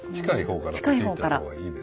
近い方からはい。